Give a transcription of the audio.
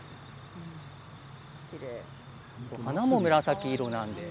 花も紫色なんです。